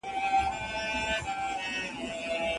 د صبر نتايج سخت زړونه هم خوښولای سي.